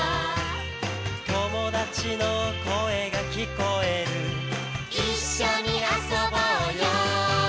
「友達の声が聞こえる」「一緒に遊ぼうよ」